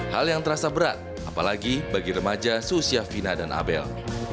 hal yang terasa berat apalagi bagi remaja susia vina dan abel